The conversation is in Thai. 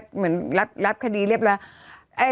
เหมือนรับคดีเรียบร้อย